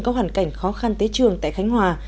có hoàn cảnh khó khăn tới trường tại khánh hòa